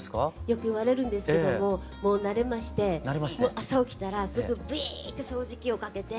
よく言われるんですけどももう慣れまして朝起きたらすぐブィーッて掃除機をかけて。